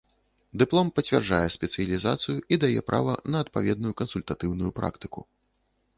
Дыплом пацвярджае спецыялізацыю і дае права на адпаведную кансультатыўную практыку.